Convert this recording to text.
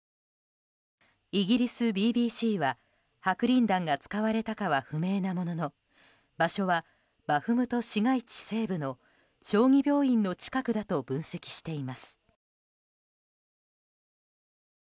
イギリスＢＢＣは、白リン弾が使われたかは不明なものの場所は、バフムト市街地西部の小児病院の近くだと分析しています。